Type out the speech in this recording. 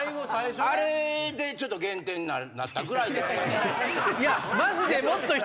あれでちょっと減点になったぐらいですかね。